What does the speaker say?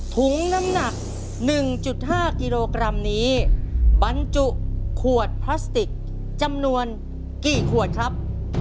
ถุงน้ำหนัก๑๕กิโลกรัมนี้บรรจุขวดพลาสติกจำนวนกี่ขวดครับ